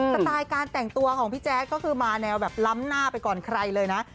สไตล์การแต่งตัวของพี่แจ๊คก็คือมาแนวแบบล้ำหน้าไปก่อนใครเลยนะ